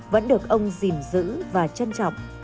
vẫn được ông dìm giữ và trân trọng